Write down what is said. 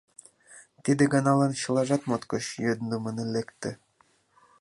Тиде ганалан чылажат моткоч йӧндымын лекте.